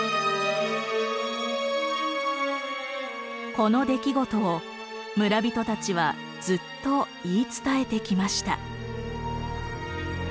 この出来事を村人たちはずっと言い伝えてきました。